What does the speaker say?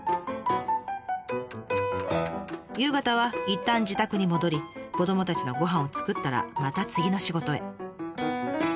夕方はいったん自宅に戻り子どもたちのごはんを作ったらまた次の仕事へ。